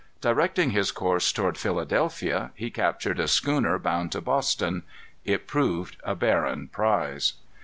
Directing his course toward Philadelphia, he captured a schooner bound to Boston. It proved a barren prize.